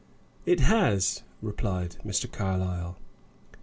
"It has," replied Mr. Carlyle.